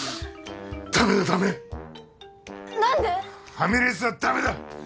ファミレスは駄目だ。